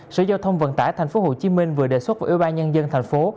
sở giao thông vận tải tp hcm vừa đề xuất vào ưu ba nhân dân thành phố